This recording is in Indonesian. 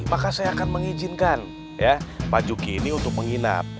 maka saya akan mengizinkan ya pak juki ini untuk menginap